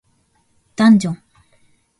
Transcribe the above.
ダンジョン